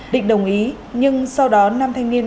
định đồng ý nhưng sau đó nam thanh niên